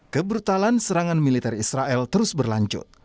kebrutalan serangan militer israel terus berlanjut